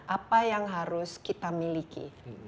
apa yang harus kita miliki